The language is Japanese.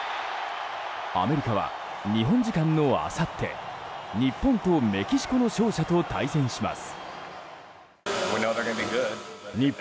アメリカは日本時間のあさって日本とメキシコの勝者と対戦します。